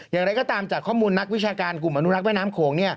อย่างไรก็ตามจากข้อมูลนักวิชาการกลุ่มอนุรักษ์แม่น้ำโขง